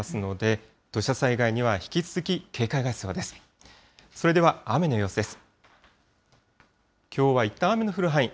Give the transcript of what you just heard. それでは雨の予想です。